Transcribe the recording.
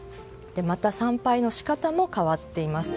参拝の仕方も変わっています。